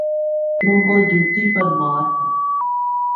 تو وہ جوتی پرمار ہیں۔